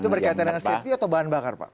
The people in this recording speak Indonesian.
itu berkaitan dengan safety atau bahan bakar pak